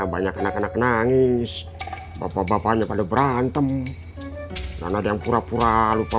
banyak anak anak nangis bapak bapaknya pada berantem dan ada yang pura pura lupa